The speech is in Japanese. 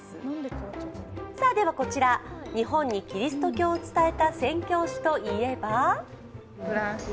ではこちら、日本にキリスト教を伝えた宣教師といえば？